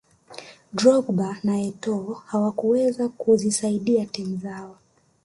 drogba na etoo hawakuweza kuzisaidia timu zao